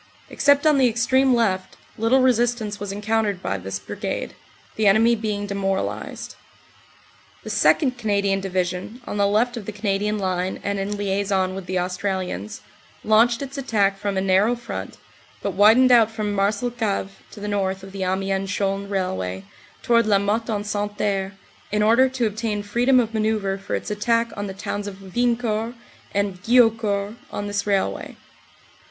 Except on the extreme left, little resistance was encoutered by this Brigade, the enemy being demoralized. The 2nd. Canadian Division, on the left of the Canadian line and in liason with the Australians, launched its attack from a narrow front, but widened out from Marcelcave to the north of the Amiens Chaulnes railway toward Lamotte en Santerre, in order to obtain freedom of manoeuvre for its attack on the towns of Wiencourt and Guillaucourt on this railway.